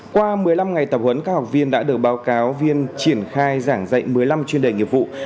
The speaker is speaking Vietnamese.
qua một mươi năm ngày tập huấn các học viên đã được báo cáo viên triển khai giảng dạy một mươi năm chuyên đề nghiệp vụ